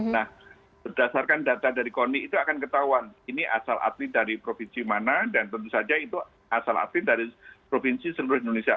nah berdasarkan data dari koni itu akan ketahuan ini asal atlet dari provinsi mana dan tentu saja itu asal atlet dari provinsi seluruh indonesia